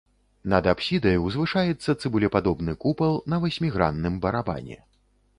Над апсідай узвышаецца цыбулепадобны купал на васьмігранным барабане.